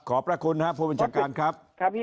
พระคุณครับผู้บัญชาการครับ